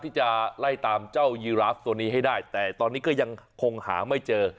ที่จะไล่ตามเจ้ายีราฟตัวนี้ให้ได้แต่ตอนนี้ก็ยังคงหาไม่เจอ